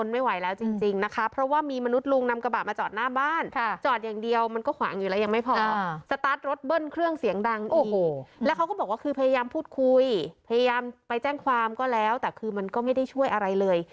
มันไปแจ้งความก็แล้วแต่คือมันก็ไม่ได้ช่วยอะไรเลย